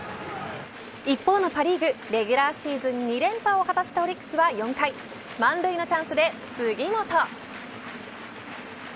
一方のパ・リーグレギュラーシーズン２連覇を果たしたオリックスは、４回満塁のチャンスで杉本。